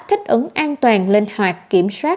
thích ứng an toàn linh hoạt kiểm soát